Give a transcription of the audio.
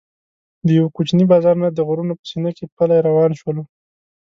د یوه کوچني بازار نه د غرونو په سینه کې پلی روان شولو.